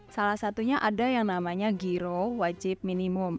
salah satunya ada yang namanya giro wajib minimum